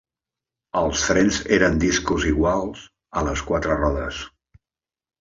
Els frens eren discos igual a les quatre rodes.